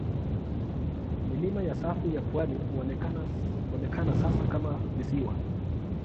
Milima ya safu ya pwani huonekana sasa kama visiwa.